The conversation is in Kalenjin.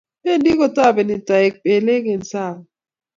Bendi kutobeni toek belik eng' Tsavo